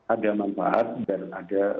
ada manfaat dan ada